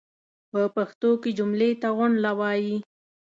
پۀ پښتو کې جملې ته غونډله وایي.